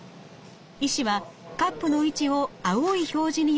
医師はカップの位置を青い表示によって確認できます。